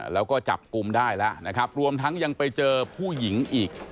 แล้วก็จับกลุ่มได้แล้วนะครับรวมทั้งยังไปเจอผู้หญิงอีก